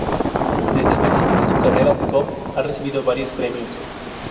Desde el principio de su carrera, Cobb ha recibido varios premios.